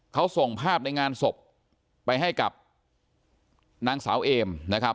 เขาส่งภาพในงานศพไปให้กับนางสาวเอมนะครับ